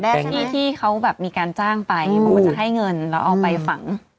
ที่ที่เขาแบบมีการจ้างไปเพราะว่าจะให้เงินแล้วเอาไปฝัง